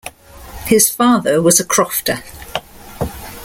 His father was a crofter.